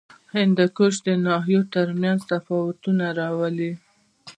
هندوکش د ناحیو ترمنځ تفاوتونه راولي.